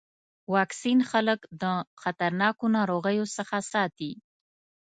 واکسین خلک د خطرناکو ناروغیو څخه ساتي.